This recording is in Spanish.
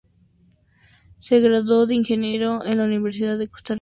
Se graduó de ingeniero en la Universidad de Costa Rica.